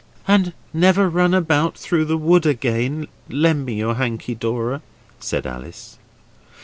'And never run about through the wood again, lend me your hanky, Dora' said Alice.